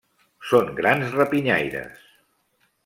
Són grans rapinyaires.